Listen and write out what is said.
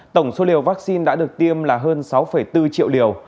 tổng số liều vaccine đã được tiêm là hơn sáu bốn triệu liều